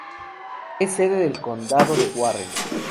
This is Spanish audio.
Es sede del condado de Warren.